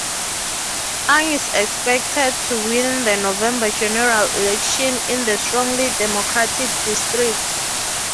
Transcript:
Ung is expected to win the November general election in the strongly Democratic district.